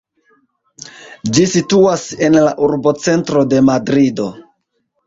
Ĝi situas en la urbocentro de Madrido.